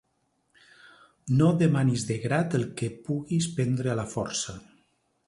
No demanis de grat el que puguis prendre a la força.